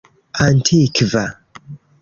antikva